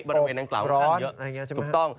บริเวณด้านกล่าวมันเยอะตรงต้อง